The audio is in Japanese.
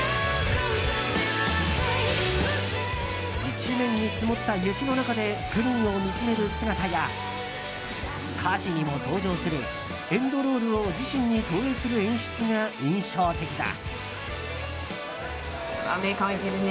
一面に積もった雪の中でスクリーンを見つめる姿や歌詞にも登場する「エンドロール」を自身に投影する演出が印象的だ。